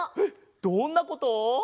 どんなこと？